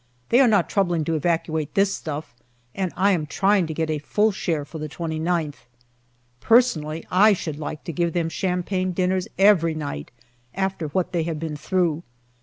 They are not troubling to evacuate this stuff, and I am trying to get a full share for the 29th. Personally, I should like to give them champagne dinners every night, after what they have been through.